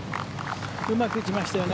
うまく打ちましたよね。